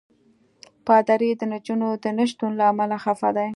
پادري د نجونو د نه شتون له امله خفه دی.